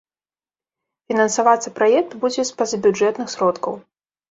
Фінансавацца праект будзе з пазабюджэтных сродкаў.